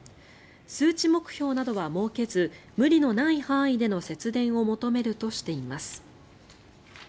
数値目標などは設けず無理のない範囲での節電を求めるとしています。